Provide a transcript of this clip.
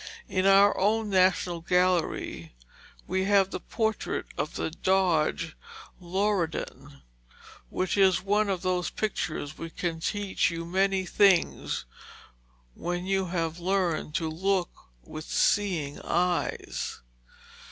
In our own National Gallery we have the portrait of the Doge Loredan, which is one of those pictures which can teach you many things when you have learned to look with seeing eyes.